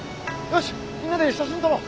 よしみんなで写真撮ろう。